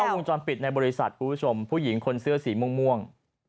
อันนี้ก็มุมจรปิดในบริษัทผู้ชมผู้หญิงคนเสื้อสีม่วง